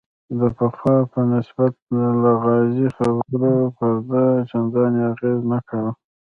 د پخوا په نسبت لغازي خبرو پر ده چندان اغېز نه کاوه.